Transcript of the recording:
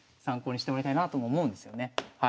参考にしてもらいたいなとも思うんですよね。